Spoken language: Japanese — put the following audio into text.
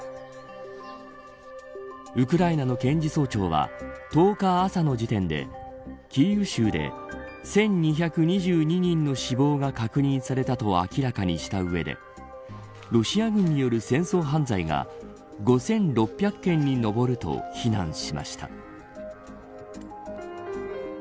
ウクライナの検事総長は１０日朝の時点でキーウ州で１２２２人の死亡が確認されたと明らかにしたうえでロシア軍による戦争犯罪が５６００件に上ると非難しました。